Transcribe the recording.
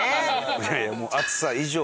いやいやもう暑さ以上に。